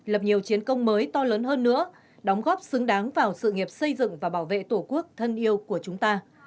lập nhiều chiến công mới to lớn hơn nữa đóng góp xứng đáng vào sự nghiệp xây dựng và bảo vệ tổ quốc thân yêu của chúng ta